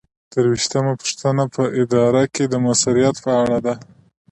درویشتمه پوښتنه په اداره کې د مؤثریت په اړه ده.